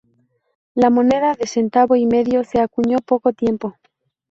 La moneda de centavo y medio se acuñó poco tiempo.